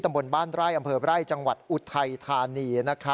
บนบ้านไร่อำเภอไร่จังหวัดอุทัยธานี